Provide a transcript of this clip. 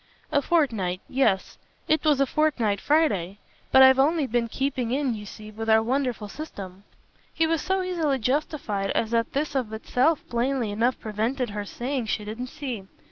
"A fortnight, yes it was a fortnight Friday; but I've only been, keeping in, you see, with our wonderful system." He was so easily justified as that this of itself plainly enough prevented her saying she didn't see.